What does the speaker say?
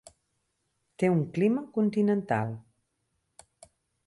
Té un clima continental.